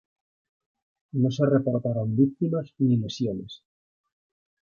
No se reportaron víctimas ni lesiones.